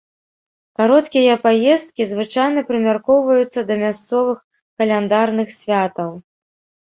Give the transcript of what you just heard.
Кароткія паездкі звычайна прымяркоўваюцца да мясцовых каляндарных святаў.